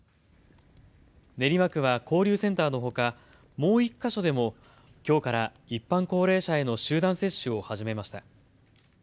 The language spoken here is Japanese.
練馬区は交流センターのほかもう１か所でもきょうから一般高齢者への集団接種を始めました。